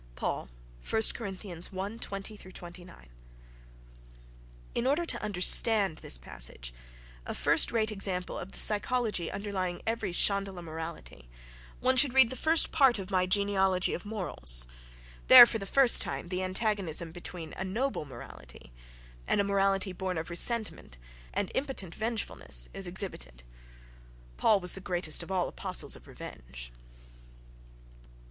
(Paul, 1 Corinthians i, 20ff.)—In order to understand this passage, a first rate example of the psychology underlying every Chandala morality, one should read the first part of my "Genealogy of Morals": there, for the first time, the antagonism between a noble morality and a morality born of ressentiment and impotent vengefulness is exhibited. Paul was the greatest of all apostles of revenge....